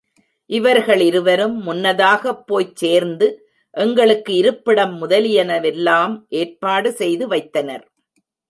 இவர்களிருவரும் முன்னதாகப் போய்ச் சேர்ந்து எங்களுக்கு இருப்பிடம் முதலியன வெல்லாம் ஏற்பாடு செய்து வைத்தனர்.